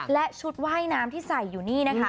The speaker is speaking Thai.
และชุดว่ายน้ำที่ใส่อยู่นี่นะคะ